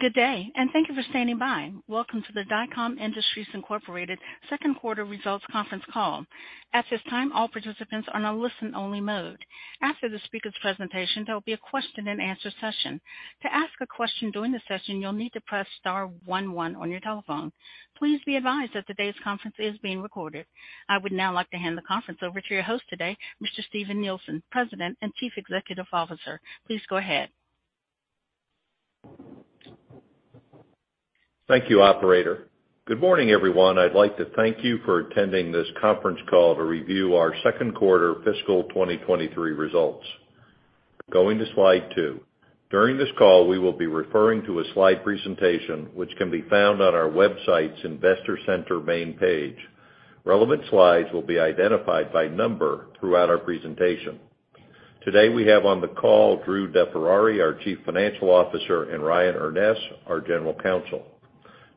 Good day, and thank you for standing by. Welcome to the Dycom Industries, Inc. second quarter results conference call. At this time, all participants are in a listen-only mode. After the speakers' presentation, there will be a question-and-answer session. To ask a question during the session, you'll need to press star one one on your telephone. Please be advised that today's conference is being recorded. I would now like to hand the conference over to your host today, Mr. Steven Nielsen, President and Chief Executive Officer. Please go ahead. Thank you, operator. Good morning, everyone. I'd like to thank you for attending this conference call to review our second quarter fiscal 2023 results. Going to slide two. During this call, we will be referring to a slide presentation which can be found on our website's Investor Center main page. Relevant slides will be identified by number throughout our presentation. Today, we have on the call Andrew DeFerrari, our Chief Financial Officer, and Ryan Urness, our General Counsel.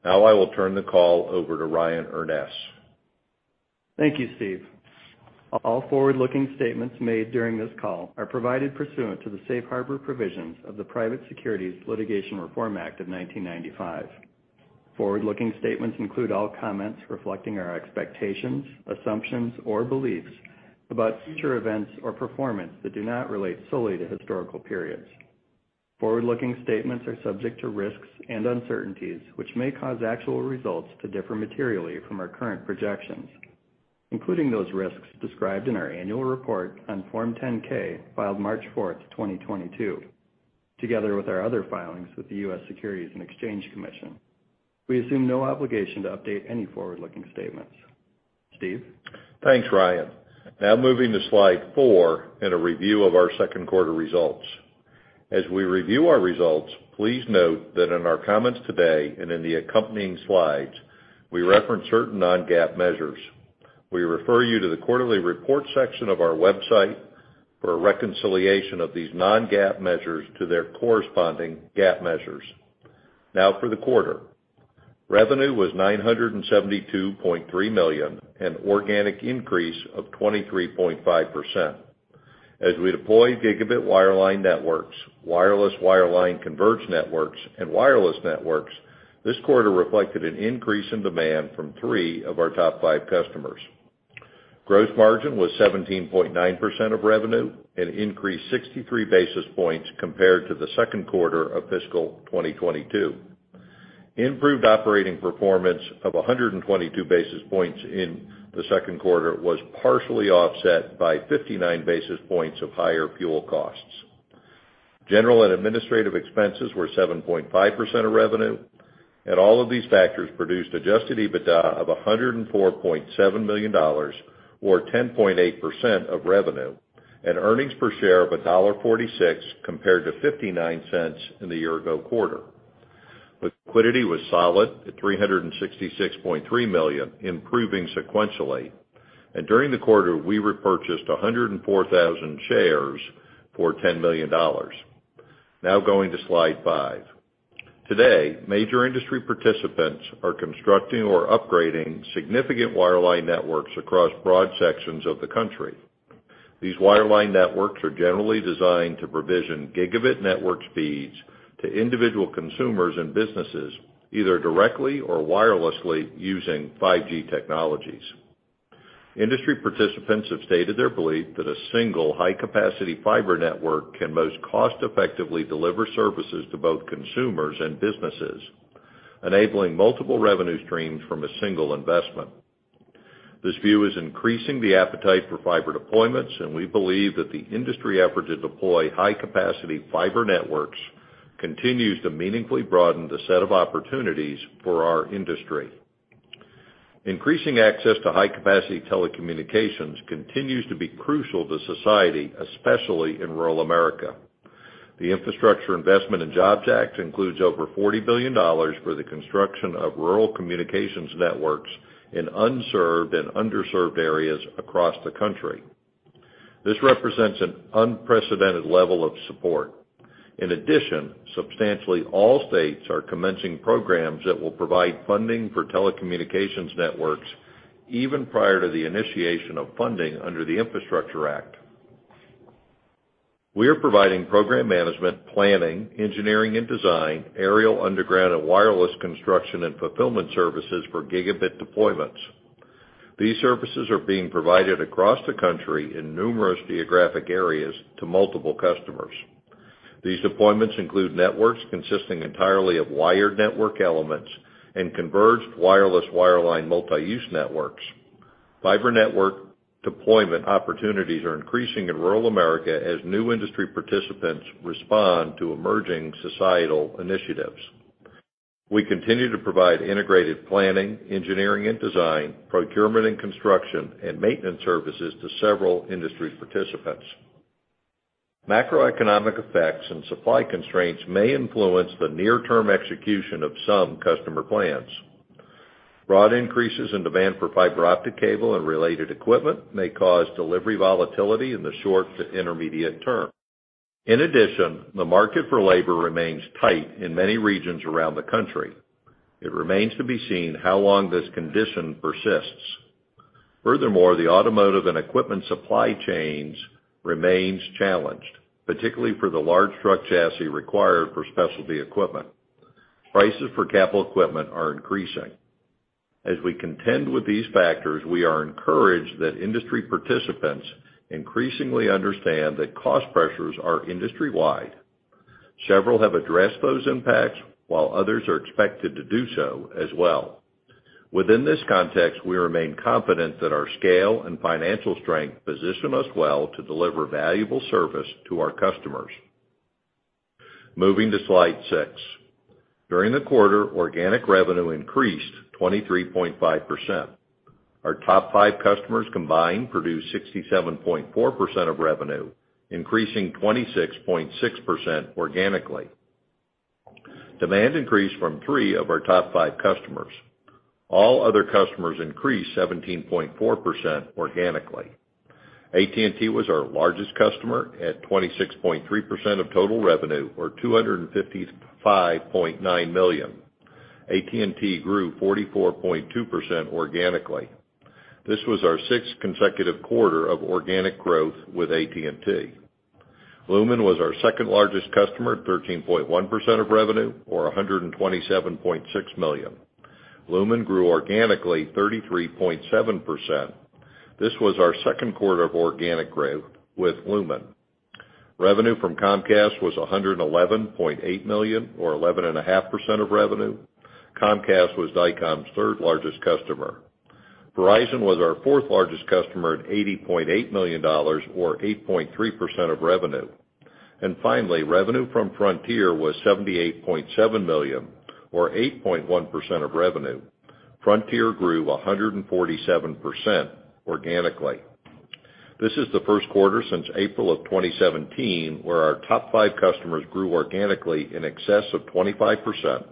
Now I will turn the call over to Ryan Urness. Thank you, Steven. All forward-looking statements made during this call are provided pursuant to the safe harbor provisions of the Private Securities Litigation Reform Act of 1995. Forward-looking statements include all comments reflecting our expectations, assumptions, or beliefs about future events or performance that do not relate solely to historical periods. Forward-looking statements are subject to risks and uncertainties, which may cause actual results to differ materially from our current projections, including those risks described in our annual report on Form 10-K filed March 4th, 2022, together with our other filings with the U.S. Securities and Exchange Commission. We assume no obligation to update any forward-looking statements. Steven? Thanks, Ryan. Now moving to slide four in a review of our second quarter results. As we review our results, please note that in our comments today and in the accompanying slides, we reference certain non-GAAP measures. We refer you to the quarterly report section of our website for a reconciliation of these non-GAAP measures to their corresponding GAAP measures. Now for the quarter. Revenue was $972.3 million, an organic increase of 23.5%. As we deploy gigabit wireline networks, wireless wireline converged networks, and wireless networks, this quarter reflected an increase in demand from three of our top five customers. Gross margin was 17.9% of revenue and increased 63 basis points compared to the second quarter of fiscal 2022. Improved operating performance of 122 basis points in the second quarter was partially offset by 59 basis points of higher fuel costs. General and administrative expenses were 7.5% of revenue, and all of these factors produced adjusted EBITDA of $104.7 million or 10.8% of revenue and earnings per share of $1.46 compared to $0.59 in the year ago quarter. Liquidity was solid at $366.3 million, improving sequentially. During the quarter, we repurchased 104,000 shares for $10 million. Now going to slide five. Today, major industry participants are constructing or upgrading significant wireline networks across broad sections of the country. These wireline networks are generally designed to provision gigabit network speeds to individual consumers and businesses, either directly or wirelessly using 5G technologies. Industry participants have stated their belief that a single high-capacity fiber network can most cost effectively deliver services to both consumers and businesses, enabling multiple revenue streams from a single investment. This view is increasing the appetite for fiber deployments, and we believe that the industry effort to deploy high-capacity fiber networks continues to meaningfully broaden the set of opportunities for our industry. Increasing access to high-capacity telecommunications continues to be crucial to society, especially in rural America. The Infrastructure Investment and Jobs Act includes over $40 billion for the construction of rural communications networks in unserved and underserved areas across the country. This represents an unprecedented level of support. In addition, substantially all states are commencing programs that will provide funding for telecommunications networks even prior to the initiation of funding under the Infrastructure Act. We are providing program management, planning, engineering and design, aerial, underground, and wireless construction and fulfillment services for gigabit deployments. These services are being provided across the country in numerous geographic areas to multiple customers. These deployments include networks consisting entirely of wired network elements and converged wireless wireline multi-use networks. Fiber network deployment opportunities are increasing in rural America as new industry participants respond to emerging societal initiatives. We continue to provide integrated planning, engineering and design, procurement and construction, and maintenance services to several industry participants. Macroeconomic effects and supply constraints may influence the near-term execution of some customer plans. Broad increases in demand for fiber optic cable and related equipment may cause delivery volatility in the short to intermediate term. In addition, the market for labor remains tight in many regions around the country. It remains to be seen how long this condition persists. Furthermore, the automotive and equipment supply chains remain challenged, particularly for the large truck chassis required for specialty equipment. Prices for capital equipment are increasing. As we contend with these factors, we are encouraged that industry participants increasingly understand that cost pressures are industry-wide. Several have addressed those impacts, while others are expected to do so as well. Within this context, we remain confident that our scale and financial strength position us well to deliver valuable service to our customers. Moving to Slide six. During the quarter, organic revenue increased 23.5%. Our top five customers combined produced 67.4% of revenue, increasing 26.6% organically. Demand increased from three of our top five customers. All other customers increased 17.4% organically. AT&T was our largest customer at 26.3% of total revenue, or $255.9 million. AT&T grew 44.2% organically. This was our sixth consecutive quarter of organic growth with AT&T. Lumen was our second-largest customer at 13.1% of revenue, or $127.6 million. Lumen grew organically 33.7%. This was our second quarter of organic growth with Lumen. Revenue from Comcast was $111.8 million, or 11.5% of revenue. Comcast was Dycom's third-largest customer. Verizon was our fourth-largest customer at $80.8 million, or 8.3% of revenue. Finally, revenue from Frontier was $78.7 million, or 8.1% of revenue. Frontier grew 147% organically. This is the first quarter since April of 2017 where our top five customers grew organically in excess of 25%,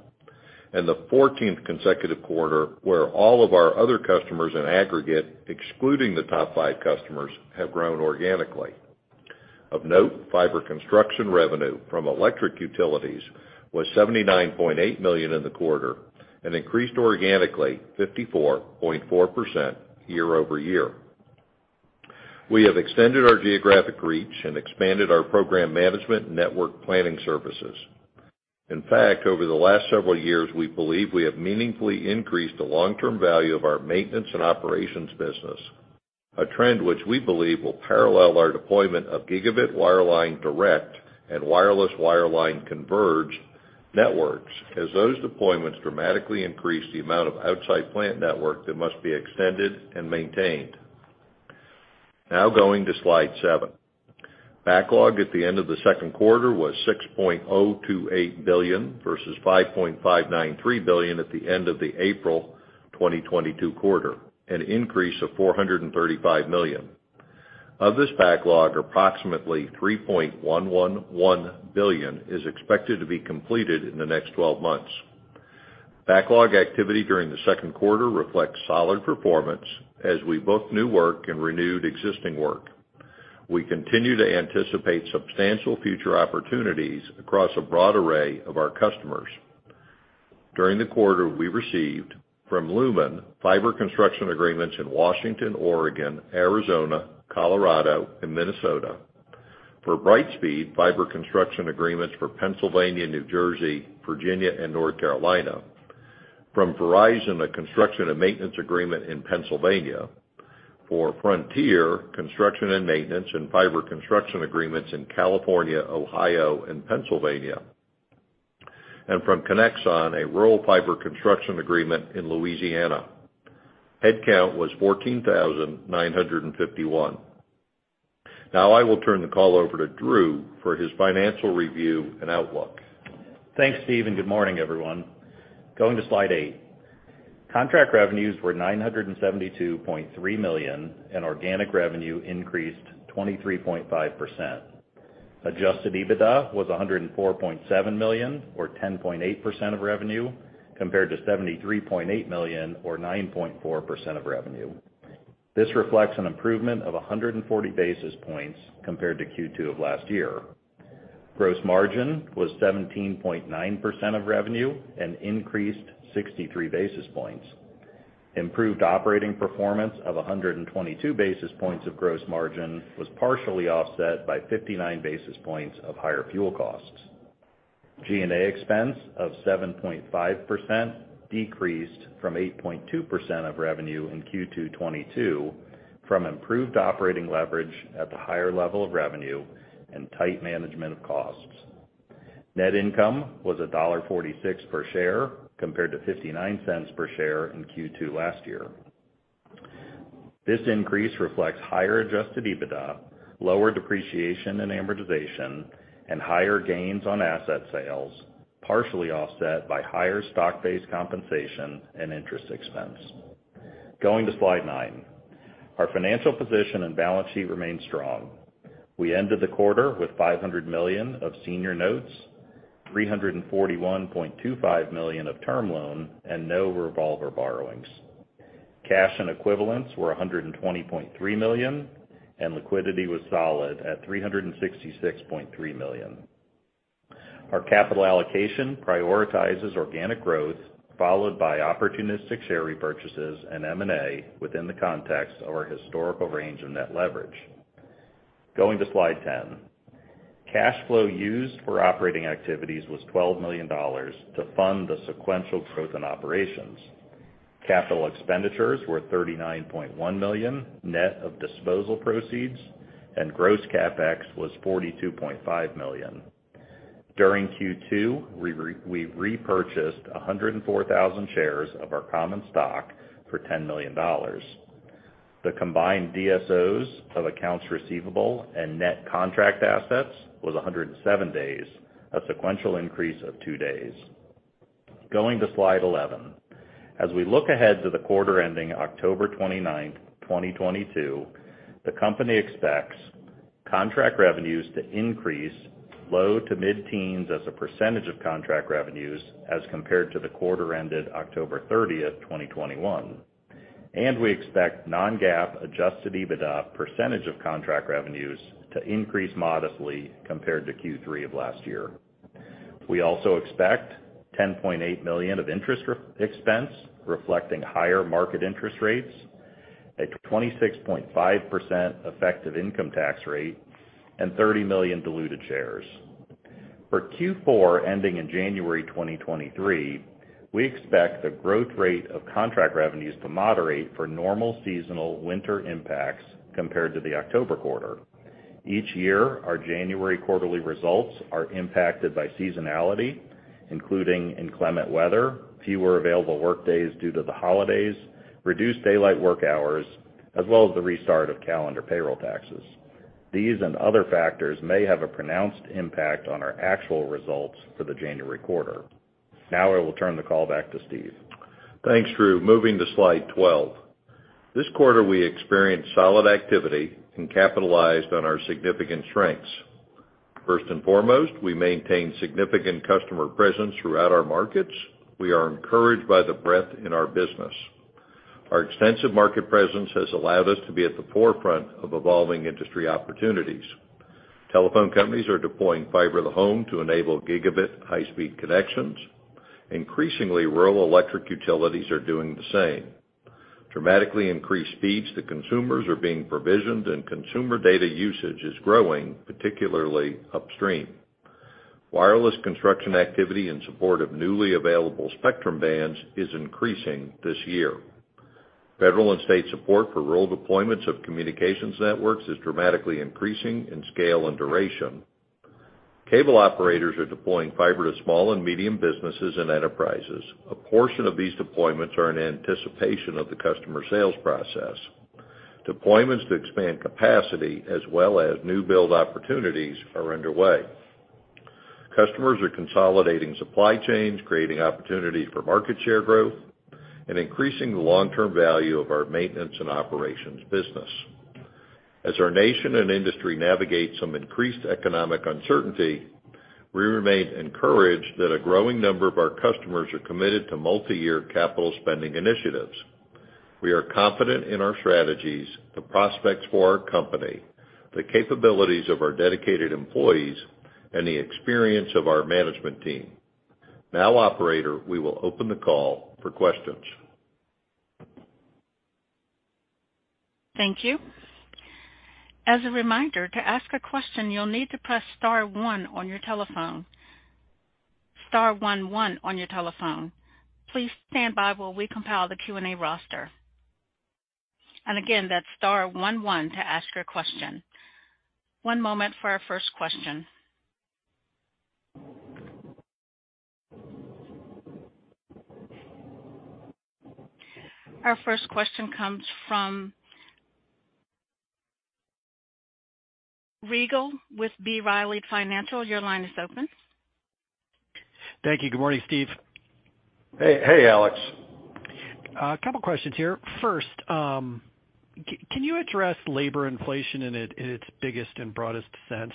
and the 14th consecutive quarter where all of our other customers in aggregate, excluding the top five customers, have grown organically. Of note, fiber construction revenue from electric utilities was $79.8 million in the quarter and increased organically 54.4% year-over-year. We have extended our geographic reach and expanded our program management network planning services. In fact, over the last several years, we believe we have meaningfully increased the long-term value of our maintenance and operations business, a trend which we believe will parallel our deployment of gigabit wireline direct and wireless wireline converged networks as those deployments dramatically increase the amount of outside plant network that must be extended and maintained. Now going to Slide seven. Backlog at the end of the second quarter was $6.028 billion versus $5.593 billion at the end of the April 2022 quarter, an increase of $435 million. Of this backlog, approximately $3.111 billion is expected to be completed in the next 12 months. Backlog activity during the second quarter reflects solid performance as we book new work and renewed existing work. We continue to anticipate substantial future opportunities across a broad array of our customers. During the quarter, we received from Lumen fiber construction agreements in Washington, Oregon, Arizona, Colorado, and Minnesota. For Brightspeed, fiber construction agreements for Pennsylvania, New Jersey, Virginia, and North Carolina. From Verizon, a construction and maintenance agreement in Pennsylvania. For Frontier, construction and maintenance and fiber construction agreements in California, Ohio, and Pennsylvania. From Conexon, a rural fiber construction agreement in Louisiana. Headcount was 14,951. Now, I will turn the call over to Andrew DeFerrari for his financial review and outlook. Thanks, Steven, and good morning, everyone. Going to Slide eight. Contract revenues were $972.3 million, and organic revenue increased 23.5%. Adjusted EBITDA was $104.7 million, or 10.8% of revenue, compared to $73.8 million, or 9.4% of revenue. This reflects an improvement of 140 basis points compared to Q2 of last year. Gross margin was 17.9% of revenue and increased 63 basis points. Improved operating performance of 122 basis points of gross margin was partially offset by 59 basis points of higher fuel costs. G&A expense of 7.5% decreased from 8.2% of revenue in Q2 2022 from improved operating leverage at the higher level of revenue and tight management of costs. Net income was $1.46 per share compared to $0.59 per share in Q2 last year. This increase reflects higher adjusted EBITDA, lower depreciation and amortization, and higher gains on asset sales, partially offset by higher stock-based compensation and interest expense. Going to Slide nine. Our financial position and balance sheet remain strong. We ended the quarter with $500 million of senior notes, $341.25 million of term loan, and no revolver borrowings. Cash and equivalents were $120.3 million, and liquidity was solid at $366.3 million. Our capital allocation prioritizes organic growth, followed by opportunistic share repurchases and M&A within the context of our historical range of net leverage. Going to Slide 10. Cash flow used for operating activities was $12 million to fund the sequential growth in operations. Capital expenditures were $39.1 million, net of disposal proceeds, and gross CapEx was $42.5 million. During Q2, we repurchased 104,000 shares of our common stock for $10 million. The combined DSO of accounts receivable and net contract assets was 107 days, a sequential increase of two days. Going to slide 11. As we look ahead to the quarter ending October 29th, 2022, the company expects contract revenues to increase low to mid-teens as a percentage of contract revenues as compared to the quarter ended October 30th, 2021. We expect non-GAAP adjusted EBITDA percentage of contract revenues to increase modestly compared to Q3 of last year. We also expect $10.8 million of interest expense reflecting higher market interest rates, a 26.5% effective income tax rate, and 30 million diluted shares. For Q4, ending in January 2023, we expect the growth rate of contract revenues to moderate for normal seasonal winter impacts compared to the October quarter. Each year, our January quarterly results are impacted by seasonality, including inclement weather, fewer available workdays due to the holidays, reduced daylight work hours, as well as the restart of calendar payroll taxes. These and other factors may have a pronounced impact on our actual results for the January quarter. Now I will turn the call back to Steve. Thanks, Andrew. Moving to slide 12. This quarter, we experienced solid activity and capitalized on our significant strengths. First and foremost, we maintain significant customer presence throughout our markets. We are encouraged by the breadth in our business. Our extensive market presence has allowed us to be at the forefront of evolving industry opportunities. Telephone companies are deploying fiber to the home to enable gigabit high-speed connections. Increasingly, rural electric utilities are doing the same. Dramatically increased speeds to consumers are being provisioned and consumer data usage is growing, particularly upstream. Wireless construction activity in support of newly available spectrum bands is increasing this year. Federal and state support for rural deployments of communications networks is dramatically increasing in scale and duration. Cable operators are deploying fiber to small and medium businesses and enterprises. A portion of these deployments are in anticipation of the customer sales process. Deployments to expand capacity as well as new build opportunities are underway. Customers are consolidating supply chains, creating opportunities for market share growth, and increasing the long-term value of our maintenance and operations business. As our nation and industry navigate some increased economic uncertainty, we remain encouraged that a growing number of our customers are committed to multiyear capital spending initiatives. We are confident in our strategies, the prospects for our company, the capabilities of our dedicated employees, and the experience of our management team. Now, operator, we will open the call for questions. Thank you. As a reminder, to ask a question, you'll need to press star one on your telephone. Star one one on your telephone. Please stand by while we compile the Q&A roster. Again, that's star one one to ask your question. One moment for our first question. Our first question comes from Alex Rygiel with B. Riley Financial. Your line is open. Thank you. Good morning, Steven. Hey, hey, Alex. A couple questions here. First, can you address labor inflation in its biggest and broadest sense?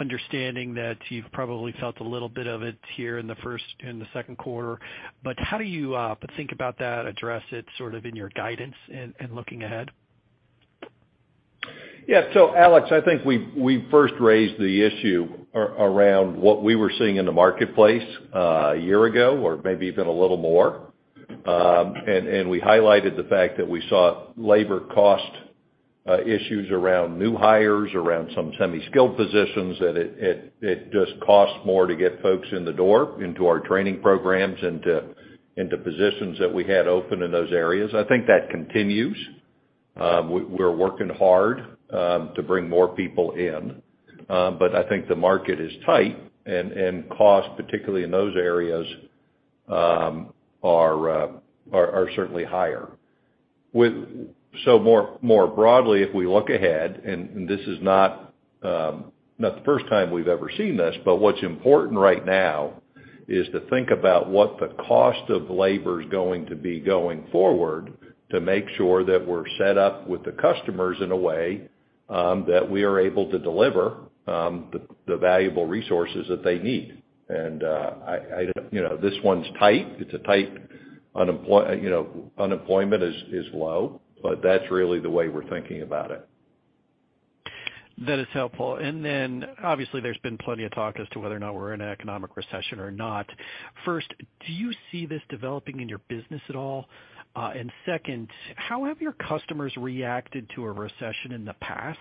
Understanding that you've probably felt a little bit of it here in the first and the second quarter. How do you think about that, address it sort of in your guidance in looking ahead? Alex, I think we first raised the issue around what we were seeing in the marketplace, a year ago or maybe even a little more. We highlighted the fact that we saw labor cost issues around new hires, around some semi-skilled positions that it just costs more to get folks in the door into our training programs and into positions that we had open in those areas. I think that continues. We're working hard to bring more people in. I think the market is tight and cost, particularly in those areas, are certainly higher. More broadly, if we look ahead, this is not the first time we've ever seen this, but what's important right now is to think about what the cost of labor is going to be going forward to make sure that we're set up with the customers in a way that we are able to deliver the valuable resources that they need. I, you know, this one's tight. It's a tight unemployment. You know, unemployment is low, but that's really the way we're thinking about it. That is helpful. Obviously, there's been plenty of talk as to whether or not we're in an economic recession or not. First, do you see this developing in your business at all? Second, how have your customers reacted to a recession in the past?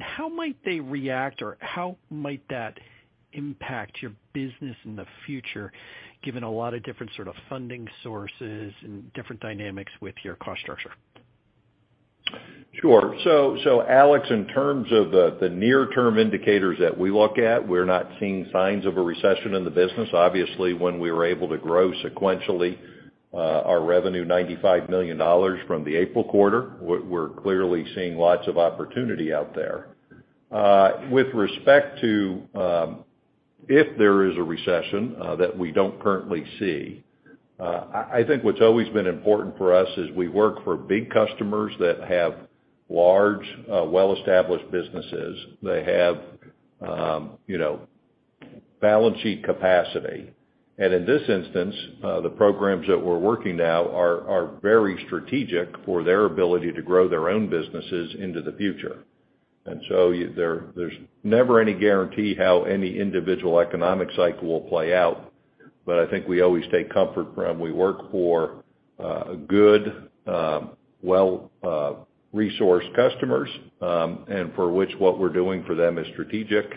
How might they react, or how might that impact your business in the future, given a lot of different sort of funding sources and different dynamics with your cost structure? Sure. Alex, in terms of the near-term indicators that we look at, we're not seeing signs of a recession in the business. Obviously, when we were able to grow sequentially, our revenue $95 million from the April quarter, we're clearly seeing lots of opportunity out there. With respect to, if there is a recession that we don't currently see, I think what's always been important for us is we work for big customers that have large well-established businesses. They have you know, balance sheet capacity. In this instance, the programs that we're working now are very strategic for their ability to grow their own businesses into the future. There's never any guarantee how any individual economic cycle will play out. I think we always take comfort from we work for a good well resourced customers and for which what we're doing for them is strategic.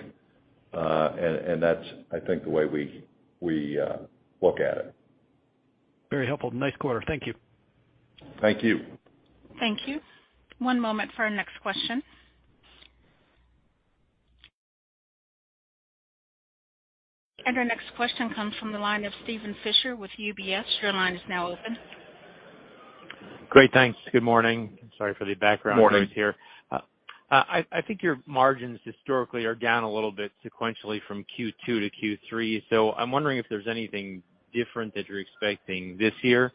That's, I think, the way we look at it. Very helpful. Nice quarter. Thank you. Thank you. Thank you. One moment for our next question. Our next question comes from the line of Steven Fisher with UBS. Your line is now open. Great. Thanks. Good morning. Sorry for the background noise here. Morning. I think your margins historically are down a little bit sequentially from Q2-Q3, so I'm wondering if there's anything different that you're expecting this year,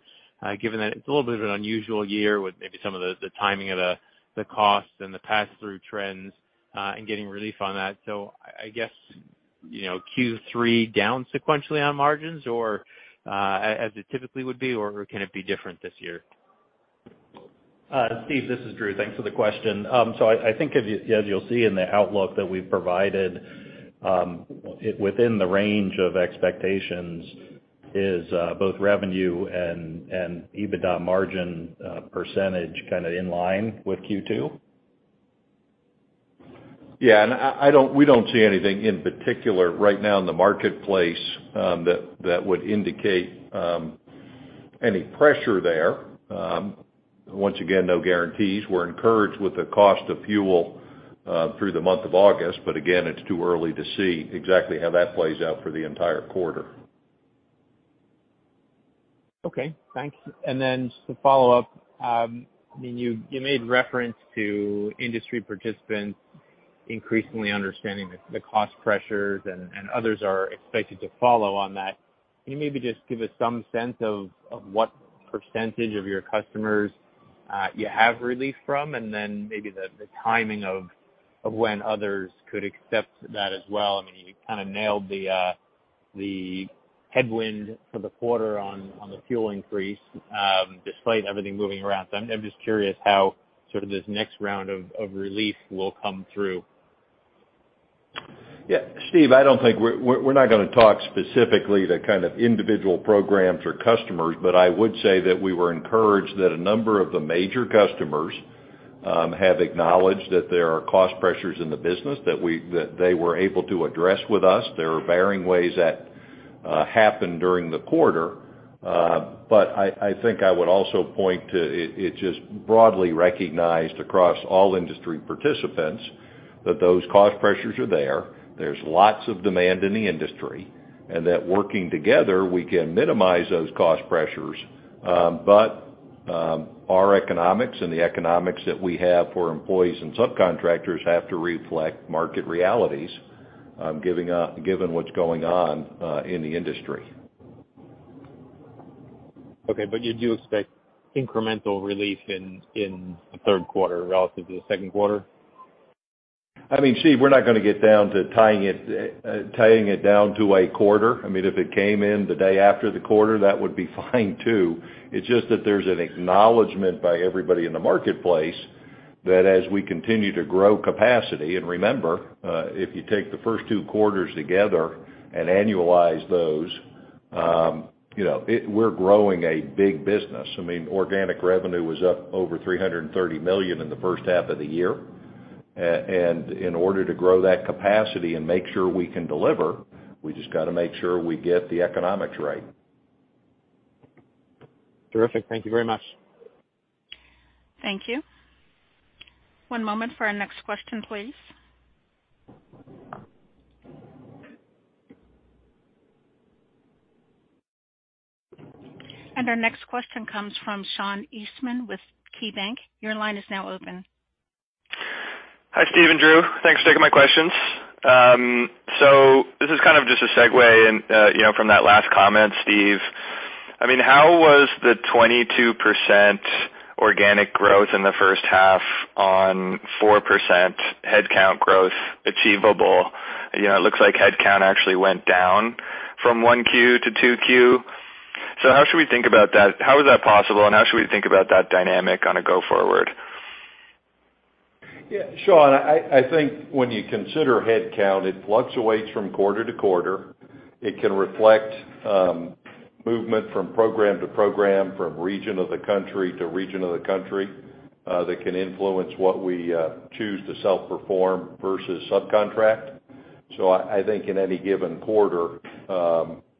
given that it's a little bit of an unusual year with maybe some of the timing of the costs and the pass-through trends, and getting relief on that. I guess, you know, Q3 down sequentially on margins or, as it typically would be, or can it be different this year? Steve, this is Drew. Thanks for the question. I think as you'll see in the outlook that we've provided, within the range of expectations is both revenue and EBITDA margin percentage kinda in line with Q2. Yeah. We don't see anything in particular right now in the marketplace that would indicate any pressure there. Once again, no guarantees. We're encouraged with the cost of fuel through the month of August, but again, it's too early to see exactly how that plays out for the entire quarter. Okay, thanks. Then just to follow up, I mean, you made reference to industry participants increasingly understanding the cost pressures and others are expected to follow on that. Can you maybe just give us some sense of what percentage of your customers you have relief from? Then maybe the timing of when others could accept that as well? I mean, you kind of nailed the headwind for the quarter on the fuel increase despite everything moving around. I'm just curious how sort of this next round of relief will come through. Yeah. Steven, I don't think we're not gonna talk specifically to kind of individual programs or customers, but I would say that we were encouraged that a number of the major customers have acknowledged that there are cost pressures in the business that they were able to address with us. There are varying ways that happened during the quarter. I think I would also point to it. It's just broadly recognized across all industry participants that those cost pressures are there. There's lots of demand in the industry, and that working together, we can minimize those cost pressures. Our economics and the economics that we have for employees and subcontractors have to reflect market realities, given what's going on in the industry. Okay. You do expect incremental relief in the third quarter relative to the second quarter? I mean, Steve, we're not gonna get down to tying it down to a quarter. I mean, if it came in the day after the quarter, that would be fine too. It's just that there's an acknowledgment by everybody in the marketplace that as we continue to grow capacity, and remember, if you take the first two quarters together and annualize those, you know, we're growing a big business. I mean, organic revenue was up over $330 million in the first half of the year. In order to grow that capacity and make sure we can deliver, we just got to make sure we get the economics right. Terrific. Thank you very much. Thank you. One moment for our next question, please. Our next question comes from Sean Eastman with KeyBanc Capital Markets. Your line is now open. Hi, Steven and Andrew. Thanks for taking my questions. This is kind of just a segue and, you know, from that last comment, Steve. I mean, how was the 22% organic growth in the first half on 4% headcount growth achievable? You know, it looks like headcount actually went down from 1Q-2Q. How should we think about that? How is that possible, and how should we think about that dynamic on a go-forward? Yeah, Sean, I think when you consider headcount, it fluctuates from quarter-to-quarter. It can reflect movement from program to program, from region of the country to region of the country, that can influence what we choose to self-perform versus subcontract. I think in any given quarter,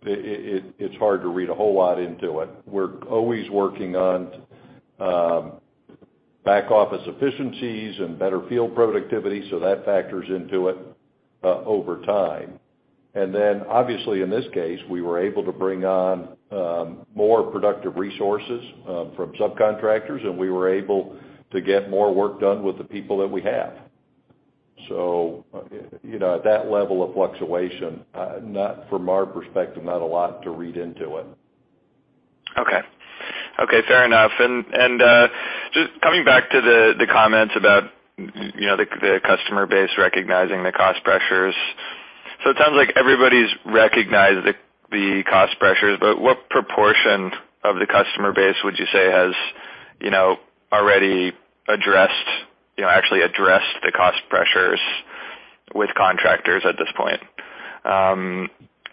it's hard to read a whole lot into it. We're always working on back office efficiencies and better field productivity, so that factors into it over time. Obviously in this case, we were able to bring on more productive resources from subcontractors, and we were able to get more work done with the people that we have. You know, at that level of fluctuation, not from our perspective, not a lot to read into it. Okay. Okay, fair enough. Just coming back to the comments about, you know, the customer base recognizing the cost pressures. It sounds like everybody's recognized the cost pressures, but what proportion of the customer base would you say has, you know, already addressed, you know, actually addressed the cost pressures with contractors at this point?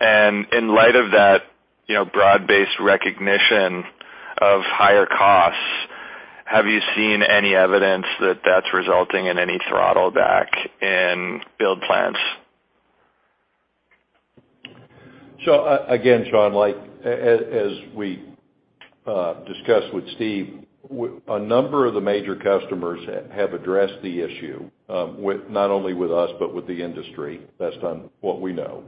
In light of that, you know, broad-based recognition of higher costs, have you seen any evidence that that's resulting in any throttle back in build plans? Again, Sean, like, as we discussed with Steve, a number of the major customers have addressed the issue with not only us but with the industry, based on what we know.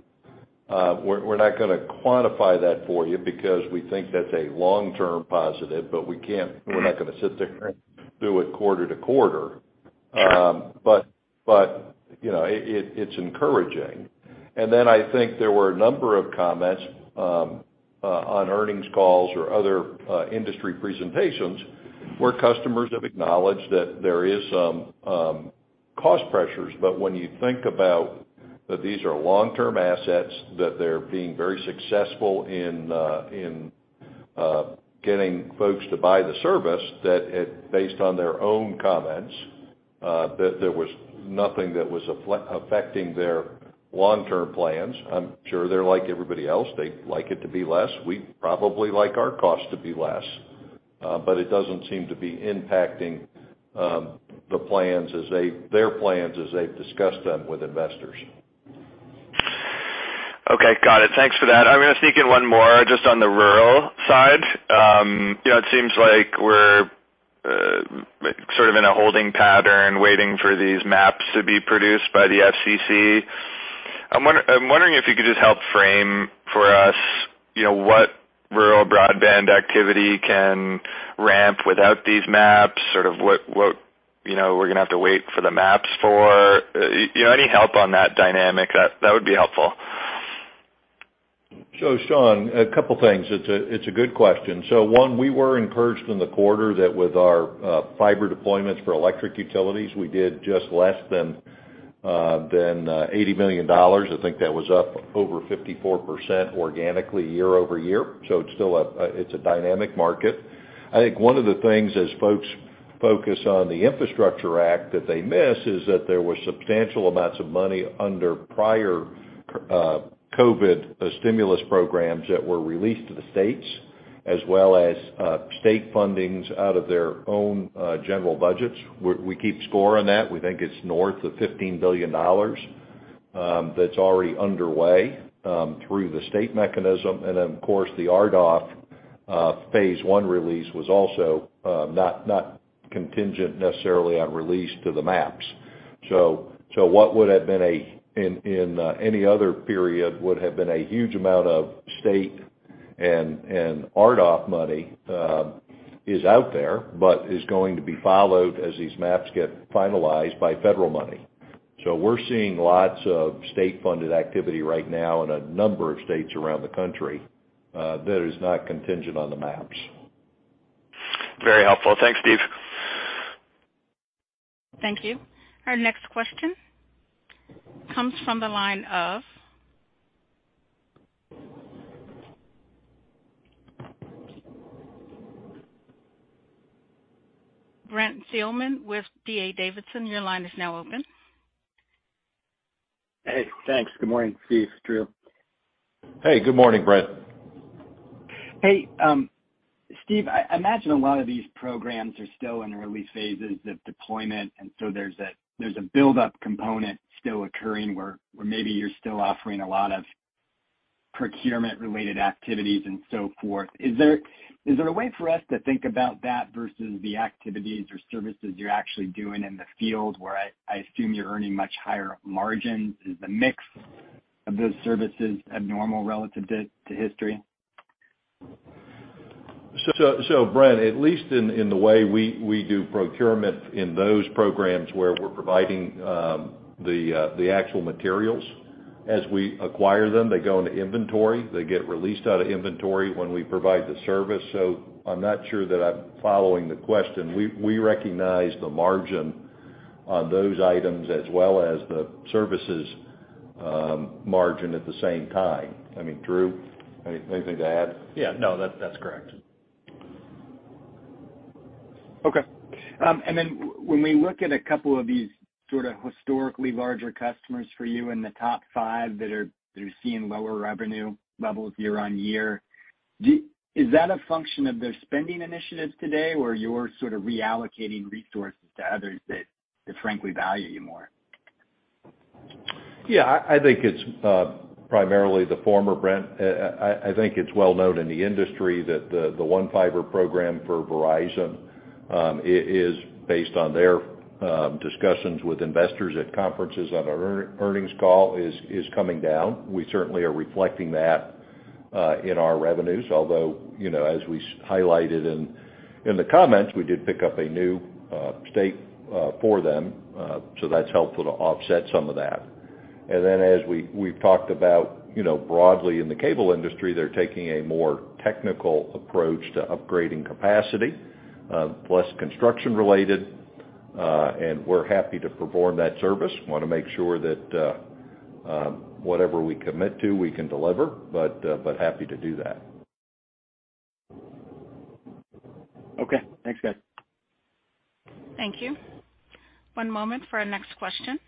We're not gonna quantify that for you because we think that's a long-term positive, but we can't- Mm-hmm. We're not gonna sit there and do it quarter to quarter. But you know, it's encouraging. I think there were a number of comments on earnings calls or other industry presentations where customers have acknowledged that there is some cost pressures. When you think about that these are long-term assets, that they're being very successful in getting folks to buy the service, that it, based on their own comments, that there was nothing that was affecting their long-term plans. I'm sure they're like everybody else. They'd like it to be less. We'd probably like our costs to be less. It doesn't seem to be impacting their plans as they've discussed them with investors. Okay. Got it. Thanks for that. I'm gonna sneak in one more just on the rural side. You know, it seems like we're sort of in a holding pattern waiting for these maps to be produced by the FCC. I'm wondering if you could just help frame for us, you know, what rural broadband activity can ramp without these maps, sort of what, you know, we're gonna have to wait for the maps for. You know, any help on that dynamic, that would be helpful. Sean, a couple things. It's a good question. One, we were encouraged in the quarter that with our fiber deployments for electric utilities, we did just less than eighty million dollars. I think that was up over 54% organically year-over-year. It's still a dynamic market. I think one of the things as folks focus on the Infrastructure Act that they miss is that there was substantial amounts of money under prior COVID stimulus programs that were released to the states as well as state fundings out of their own general budgets. We keep score on that. We think it's north of $15 billion, that's already underway, through the state mechanism. Then, of course, the RDOF phase one release was also not contingent necessarily on release to the maps. What would have been in any other period would have been a huge amount of state and RDOF money is out there, but is going to be followed as these maps get finalized by federal money. We're seeing lots of state-funded activity right now in a number of states around the country that is not contingent on the maps. Very helpful. Thanks, Steven. Thank you. Our next question comes from the line of Brent Thielman with D.A. Davidson & Co. Your line is now open. Hey, thanks. Good morning, Steven, Andrew. Hey, good morning, Brent. Hey, Steve, I imagine a lot of these programs are still in early phases of deployment, and so there's a buildup component still occurring where maybe you're still offering a lot of procurement-related activities and so forth. Is there a way for us to think about that versus the activities or services you're actually doing in the field where I assume you're earning much higher margins? Is the mix of those services abnormal relative to history? Brent, at least in the way we do procurement in those programs where we're providing the actual materials as we acquire them, they go into inventory. They get released out of inventory when we provide the service. I'm not sure that I'm following the question. We recognize the margin on those items as well as the services, margin at the same time. I mean, Andrew, anything to add? Yeah, no, that's correct. Okay. When we look at a couple of these sort of historically larger customers for you in the top five that are seeing lower revenue levels year-over-year, is that a function of their spending initiatives today, or you're sort of reallocating resources to others that frankly value you more? Yeah, I think it's primarily the former, Brent. I think it's well known in the industry that the one fiber program for Verizon is based on their discussions with investors at conferences on our earnings call is coming down. We certainly are reflecting that in our revenues, although, you know, as we highlighted in the comments, we did pick up a new state for them, so that's helpful to offset some of that. Then as we've talked about, you know, broadly in the cable industry, they're taking a more technical approach to upgrading capacity, plus construction-related, and we're happy to perform that service. Wanna make sure that whatever we commit to, we can deliver, but happy to do that. Okay. Thanks, guys. Thank you. One moment for our next question.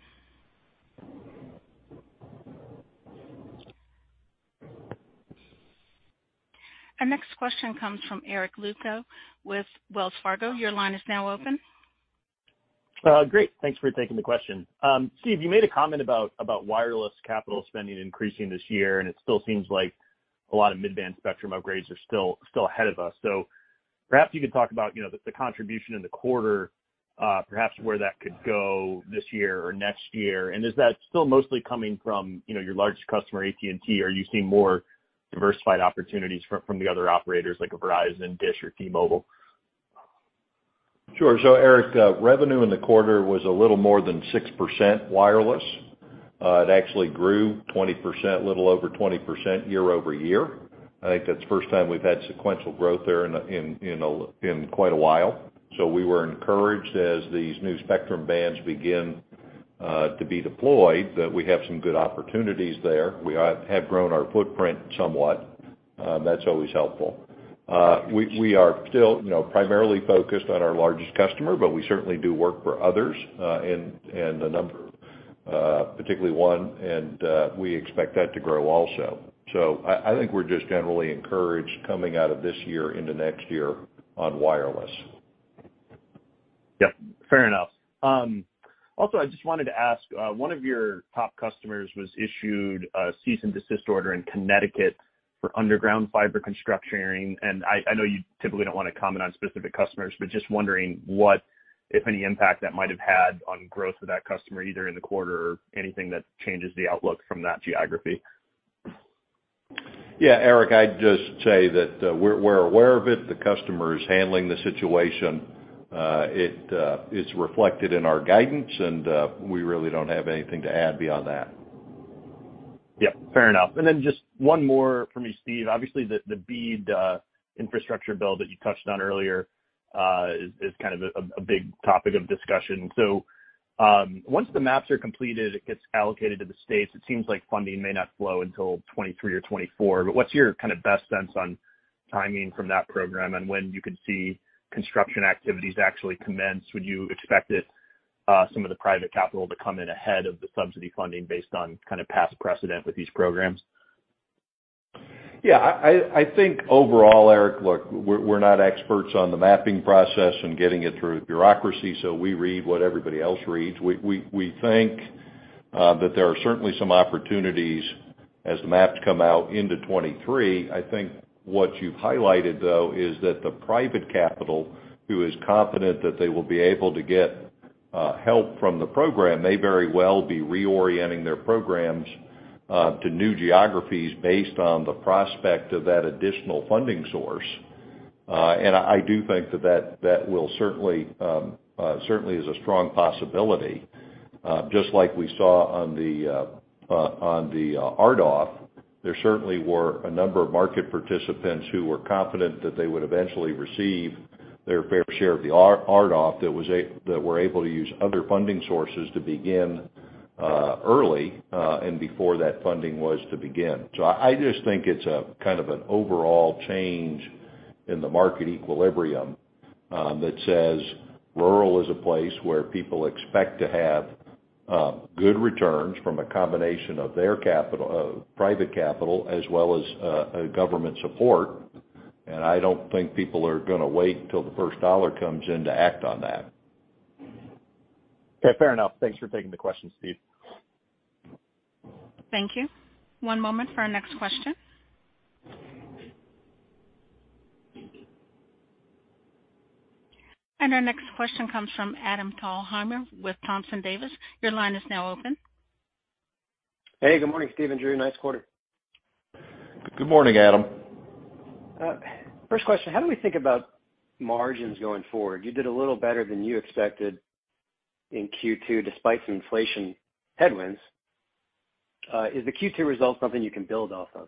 Our next question comes from Eric Luebchow with Wells Fargo. Your line is now open. Great. Thanks for taking the question. Steven, you made a comment about wireless capital spending increasing this year, and it still seems like a lot of mid-band spectrum upgrades are still ahead of us. Perhaps you could talk about, you know, the contribution in the quarter, perhaps where that could go this year or next year. And is that still mostly coming from, you know, your largest customer, AT&T, or are you seeing more diversified opportunities from the other operators like a Verizon, Dish, or T-Mobile? Sure. Eric, revenue in the quarter was a little more than 6% wireless. It actually grew 20%, a little over 20% year-over-year. I think that's the first time we've had sequential growth there in, you know, quite a while. We were encouraged as these new spectrum bands begin to be deployed, that we have some good opportunities there. We have grown our footprint somewhat, that's always helpful. We are still, you know, primarily focused on our largest customer, but we certainly do work for others, and a number, particularly one, and we expect that to grow also. I think we're just generally encouraged coming out of this year into next year on wireless. Yep, fair enough. Also, I just wanted to ask, one of your top customers was issued a cease and desist order in Connecticut for underground fiber construction. I know you typically don't wanna comment on specific customers, but just wondering what, if any, impact that might have had on growth of that customer, either in the quarter or anything that changes the outlook from that geography. Yeah, Eric, I'd just say that, we're aware of it. The customer is handling the situation. It is reflected in our guidance and, we really don't have anything to add beyond that. Yep, fair enough. Just one more from me, Steven. Obviously, the BEAD infrastructure bill that you touched on earlier is kind of a big topic of discussion. Once the maps are completed, it gets allocated to the states. It seems like funding may not flow until 2023 or 2024. What's your kind of best sense on timing from that program and when you could see construction activities actually commence? Would you expect some of the private capital to come in ahead of the subsidy funding based on kind of past precedent with these programs? Yeah, I think overall, Eric, look, we're not experts on the mapping process and getting it through bureaucracy, so we read what everybody else reads. We think that there are certainly some opportunities as the maps come out into 2023. I think what you've highlighted, though, is that the private capital, who is confident that they will be able to get help from the program, may very well be reorienting their programs to new geographies based on the prospect of that additional funding source. I do think that will certainly is a strong possibility. Just like we saw on the RDOF, there certainly were a number of market participants who were confident that they would eventually receive their fair share of the RDOF that were able to use other funding sources to begin early and before that funding was to begin. So I just think it's a kind of an overall change in the market equilibrium that says rural is a place where people expect to have good returns from a combination of their capital, private capital as well as a government support. I don't think people are gonna wait till the first dollar comes in to act on that. Okay, fair enough. Thanks for taking the question, Steven. Thank you. One moment for our next question. Our next question comes from Adam Thalhimer with Thompson Davis & Co. Your line is now open. Hey, good morning, Steven and Andrew. Nice quarter. Good morning, Adam. First question. How do we think about margins going forward? You did a little better than you expected in Q2 despite some inflation headwinds. Is the Q2 result something you can build off of?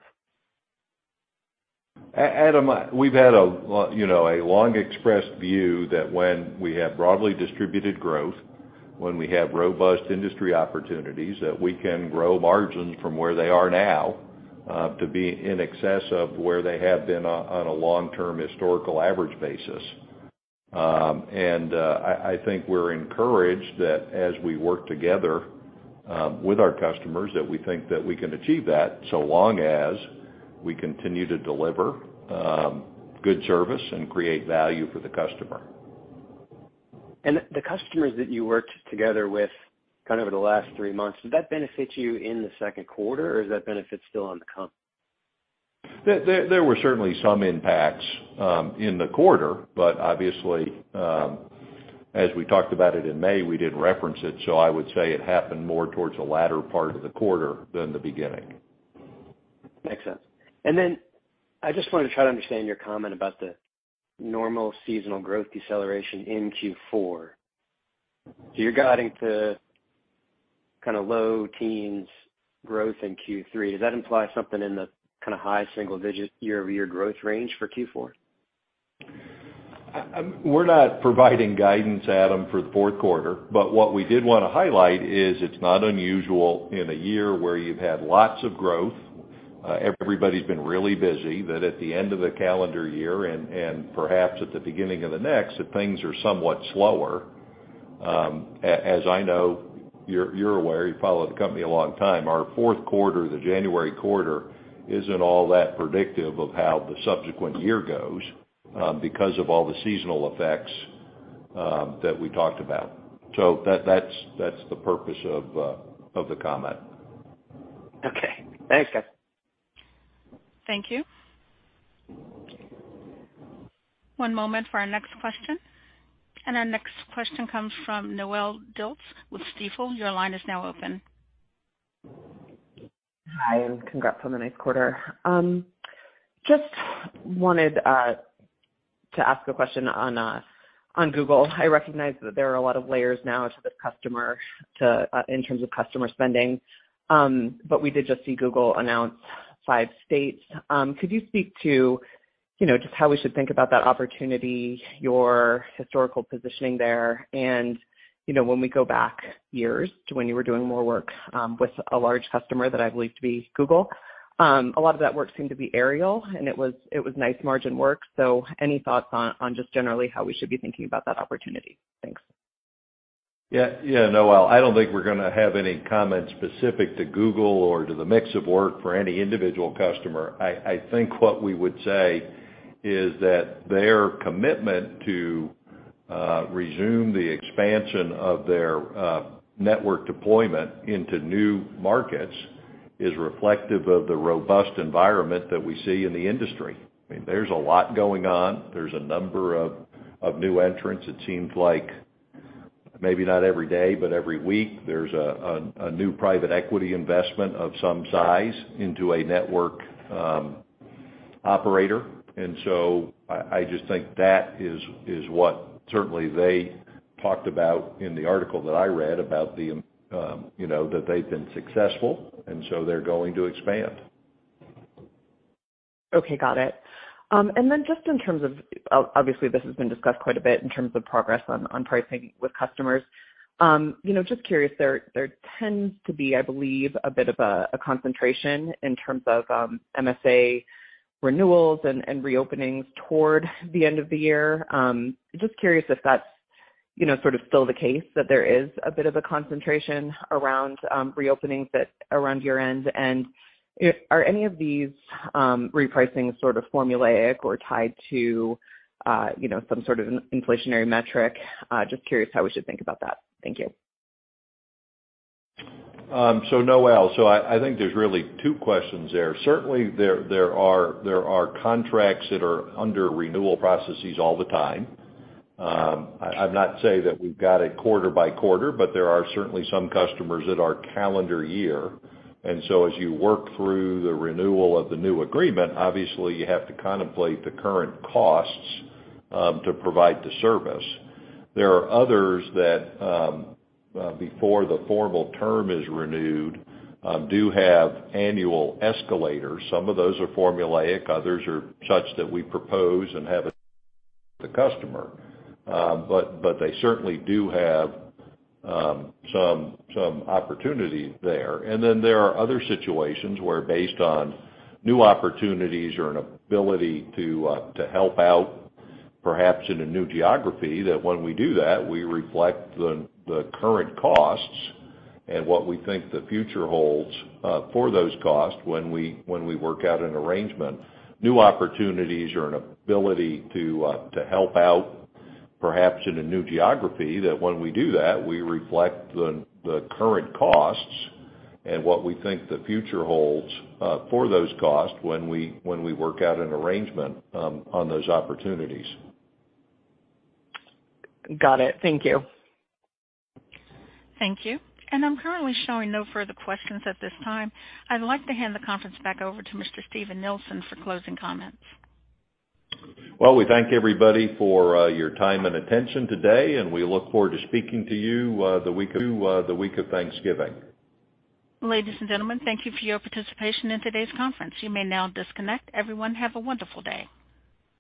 Adam, we've had a long expressed view that when we have broadly distributed growth, when we have robust industry opportunities, that we can grow margins from where they are now, to be in excess of where they have been on a long-term historical average basis. I think we're encouraged that as we work together with our customers, that we think that we can achieve that so long as we continue to deliver good service and create value for the customer. The customers that you worked together with kind of over the last three months, did that benefit you in the second quarter, or is that benefit still on the come? There were certainly some impacts in the quarter, but obviously, as we talked about it in May, we didn't reference it, so I would say it happened more towards the latter part of the quarter than the beginning. Makes sense. Then I just wanted to try to understand your comment about the normal seasonal growth deceleration in Q4. You're guiding to kinda low teens growth in Q3. Does that imply something in the kinda high single digit year-over-year growth range for Q4? We're not providing guidance, Adam, for the fourth quarter, but what we did wanna highlight is it's not unusual in a year where you've had lots of growth, everybody's been really busy, that at the end of the calendar year and perhaps at the beginning of the next, that things are somewhat slower. As I know you're aware, you've followed the company a long time, our fourth quarter, the January quarter, isn't all that predictive of how the subsequent year goes, because of all the seasonal effects that we talked about. That's the purpose of the comment. Okay. Thanks. Thank you. One moment for our next question. Our next question comes from Noelle Dilts with Stifel. Your line is now open. Hi, congrats on the nice quarter. Just wanted to ask a question on Google. I recognize that there are a lot of layers now to the customer to in terms of customer spending. We did just see Google announce five states. Could you speak to, you know, just how we should think about that opportunity, your historical positioning there? You know, when we go back years to when you were doing more work with a large customer that I believe to be Google, a lot of that work seemed to be aerial, and it was nice margin work. Any thoughts on just generally how we should be thinking about that opportunity? Thanks. Yeah. Yeah, Noelle, I don't think we're gonna have any comment specific to Google or to the mix of work for any individual customer. I think what we would say is that their commitment to resume the expansion of their network deployment into new markets is reflective of the robust environment that we see in the industry. I mean, there's a lot going on. There's a number of new entrants. It seems like maybe not every day, but every week, there's a new private equity investment of some size into a network operator. I just think that is what certainly they talked about in the article that I read about the, you know, that they've been successful, and so they're going to expand. Okay, got it. Just in terms of obviously, this has been discussed quite a bit in terms of progress on pricing with customers. You know, just curious, there tends to be, I believe, a bit of a concentration in terms of MSA renewals and reopenings toward the end of the year. Just curious if that's you know, sort of still the case, that there is a bit of a concentration around reopenings toward year-end. Are any of these repricings sort of formulaic or tied to you know, some sort of an inflationary metric? Just curious how we should think about that. Thank you. Noelle, I think there are really two questions there. Certainly there are contracts that are under renewal processes all the time. I'm not saying that we've got it quarter by quarter, but there are certainly some customers that are calendar year. As you work through the renewal of the new agreement, obviously you have to contemplate the current costs to provide the service. There are others that, before the formal term is renewed, do have annual escalators. Some of those are formulaic, others are such that we propose and have the customer, but they certainly do have some opportunity there. There are other situations where based on new opportunities or an ability to help out perhaps in a new geography, that when we do that, we reflect the current costs and what we think the future holds for those costs when we work out an arrangement on those opportunities. Got it. Thank you. Thank you. I'm currently showing no further questions at this time. I'd like to hand the conference back over to Mr. Steven Nielsen for closing comments. Well, we thank everybody for your time and attention today, and we look forward to speaking to you the week of Thanksgiving. Ladies and gentlemen, thank you for your participation in today's conference. You may now disconnect. Everyone, have a wonderful day.